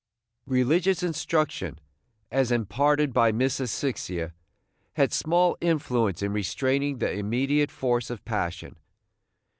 Religious instruction, as imparted by Miss Asphyxia, had small influence in restraining the immediate force of passion.